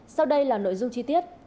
sau đây là nội dung chi tiết